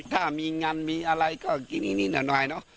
ถ้ามีงานมีอะไรก็กินอีกนิดหน่อยเนอะ